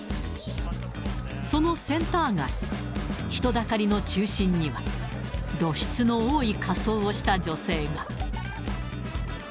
そのセンター街、人だかりの中心には、露出の多い仮装をした女性が。